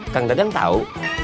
kang dadang tau